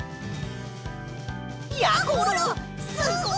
やころすごい！